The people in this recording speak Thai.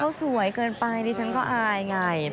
เขาสวยเกินไปดิฉันก็อายไง